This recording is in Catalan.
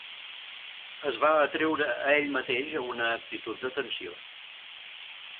Es va atreure a ell mateix a una actitud d'atenció.